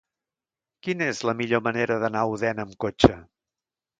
Quina és la millor manera d'anar a Odèn amb cotxe?